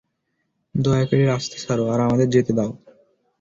দয়া করে রাস্তা ছাড়ো আর আমাদের যেতে দাও।